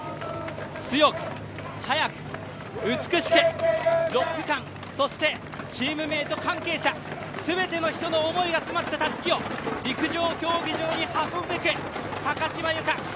強く、速く、美しく、６区間、そしてチームメート関係者、全ての人の思いがこもったたすきを陸上競技場に運ぶべく高島由香